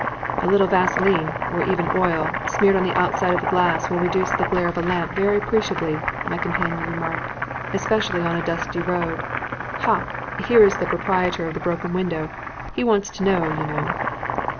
"A little vaseline, or even oil, smeared on the outside of the glass will reduce the glare of a lamp very appreciably," my companion remarked, "especially on a dusty road. Ha! here is the proprietor of the broken window. He wants to know, you know."